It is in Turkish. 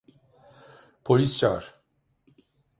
Polis çağır!